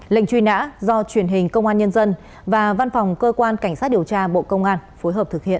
lệnh truy nã do truyền hình công an nhân dân và văn phòng cơ quan cảnh sát điều tra bộ công an phối hợp thực hiện